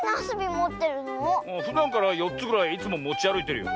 ふだんから４つぐらいいつももちあるいてるよ。